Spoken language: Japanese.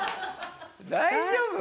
大丈夫？